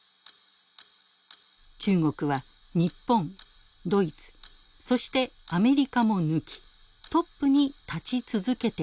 中国は日本ドイツそしてアメリカも抜きトップに立ち続けています。